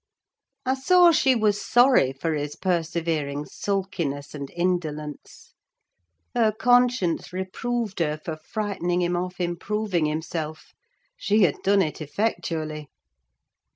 I saw she was sorry for his persevering sulkiness and indolence: her conscience reproved her for frightening him off improving himself: she had done it effectually.